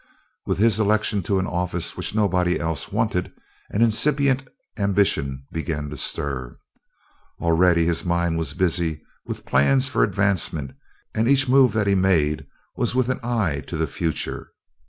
With his election to an office which nobody else wanted, an incipient ambition began to stir. Already his mind was busy with plans for advancement, and each move that he made was with an eye to the future.